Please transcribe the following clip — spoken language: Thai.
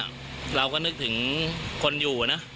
แม้นายเชิงชายผู้ตายบอกกับเราว่าเหตุการณ์ในครั้งนั้น